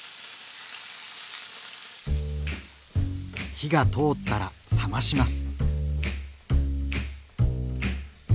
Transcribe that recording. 火が通ったら冷まします。